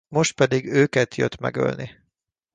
Most pedig őket jött megölni.